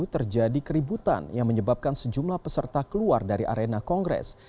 terjadi keributan yang menyebabkan sejumlah peserta keluar dari arena kongres